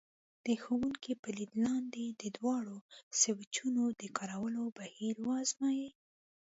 د ښوونکي په لید لاندې د دواړو سویچونو د کارولو بهیر وازمایئ.